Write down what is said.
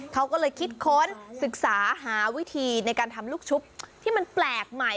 เขาก็เลยคิดค้นศึกษาหาวิธีในการทำลูกชุบที่มันแปลกใหม่